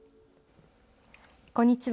こんにちは。